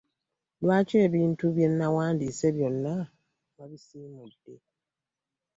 Lwaki ebintu bye nnawandiise byonna wabisiimudde.